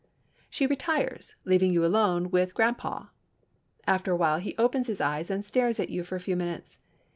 She retires, leaving you alone with grampaw. After a while he opens his eyes and stares at you for a few minutes.